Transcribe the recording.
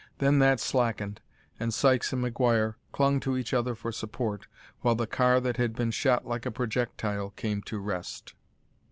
Then that slackened, and Sykes and McGuire clung to each other for support while the car that had been shot like a projectile came to rest.